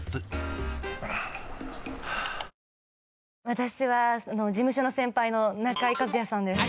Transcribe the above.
私は事務所の先輩の中井和哉さんです。